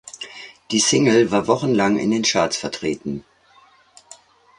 Die Single war wochenlang in den Charts vertreten.